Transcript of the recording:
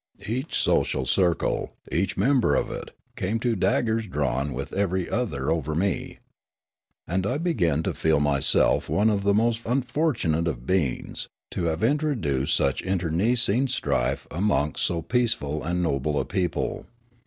Each social circle, each member of it, came to daggers drawn with every other over me. And I began to feel mj^self one of the most unfortunate of beings, to have introduced such internecine strife amongst so peaceful 42 Riallaro and noble a people.